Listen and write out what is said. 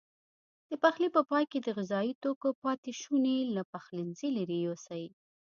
د پخلي په پای کې د غذايي توکو پاتې شونې له پخلنځي لیرې یوسئ.